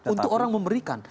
untuk orang memberikan